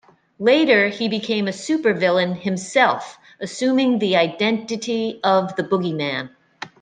Later, he became a supervillain himself, assuming the identity of the Bogeyman.